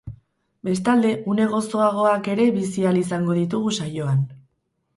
Bestalde, une gozoagoak ere bizi ahal izango ditugu saioan.